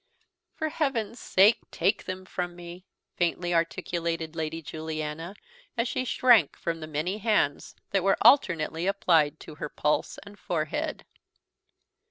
"For heaven's sake, take them from me!" faintly articulated Lady Juliana, as she shrank from the many hands that were alternately applied to her pulse and forehead.